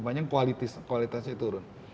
banyak kualitasnya turun